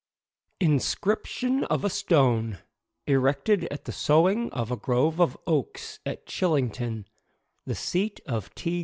INSCRIPTION FOR A STONE ERECTED AT THE SOWING OF A GROVE OF OAKS AT CHILLINGTON, THE SEAT OF T.